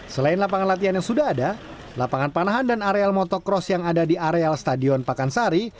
selain lapangan latihan yang sudah ada lapangan panahan dan areal motocross yang ada di areal stadion pakansari